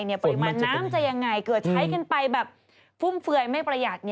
ปริมาณน้ำจะยังไงเกิดใช้กันไปแบบฟุ่มเฟือยไม่ประหยัด